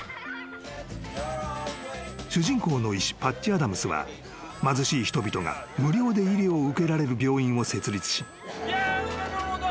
［主人公の医師パッチ・アダムスは貧しい人々が無料で医療を受けられる病院を設立し］